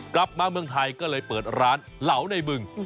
กลับมาเมืองไทยก็เลยเปิดร้านเหลาในบึง